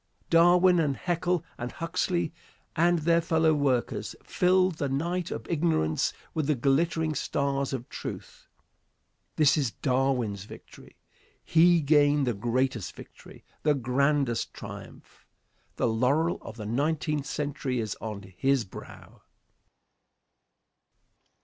Darwin and Haeckel and Huxley and their fellow workers filled the night of ignorance with the glittering stars of truth. This is Darwin's victory. He gained the greatest victory, the grandest triumph. The laurel of the nineteenth century is on his brow.